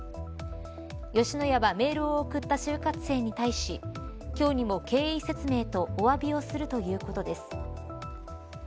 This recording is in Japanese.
吉野家はメールを送った就活生に対し今日にも経緯説明とお詫びをするということです。